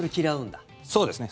そうですね。